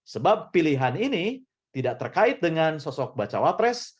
sebab pilihan ini tidak terkait dengan sosok baca wapres